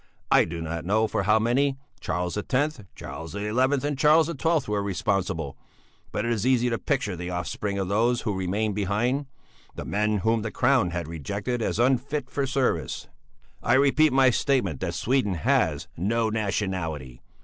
I do not know for how many Charles X, Charles XI, and Charles XII were responsible; but it is easy to picture the offspring of those who remained behind, the men whom the crown had rejected as unfit for service. "I repeat my statement that Sweden has no nationality.